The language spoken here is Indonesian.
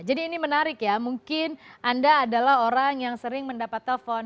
jadi ini menarik ya mungkin anda adalah orang yang sering mendapat telpon